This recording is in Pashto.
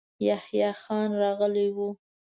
يحيی خان غلی و.